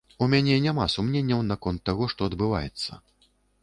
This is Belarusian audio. У мяне няма сумненняў наконт таго, што адбываецца.